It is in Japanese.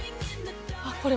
あっこれ